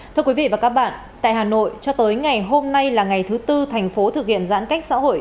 thưa quý vị và các bạn tại hà nội cho tới ngày hôm nay là ngày thứ tư thành phố thực hiện giãn cách xã hội